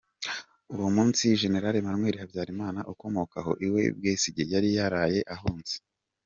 Uwo munsi, Général Emmanuel Habyarimana ukomoka aho i Bwisige, yari yaraye ahunze!